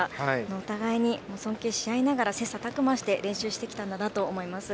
お互いに尊敬し合いながら切さたく磨して練習してきたんだなと思います。